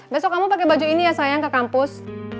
besok kamu pakai baju ini ya sayang ke kampus